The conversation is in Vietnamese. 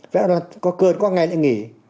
vẽ là có cơn có ngày lại nghỉ